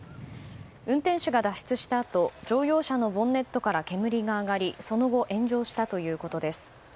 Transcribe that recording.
運転手が脱出したあと乗用車のボンネットから煙が上がりその後、炎上したということです。